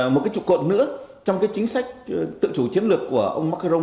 một cái trụ cột nữa trong cái chính sách tự chủ chiến lược của ông maccaro